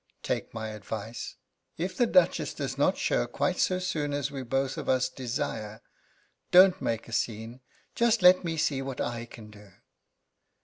Take my advice. If the Duchess does not show quite so soon as we both of us desire, don't make a scene; just let me see what I can do."